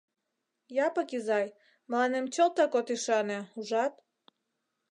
Япык изай, мыланем чылтак от ӱшане, ужат?